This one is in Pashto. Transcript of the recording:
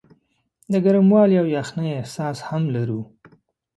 د ګرموالي او یخنۍ احساس هم لرو.